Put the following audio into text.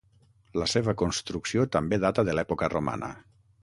La seva construcció també data de l'època romana.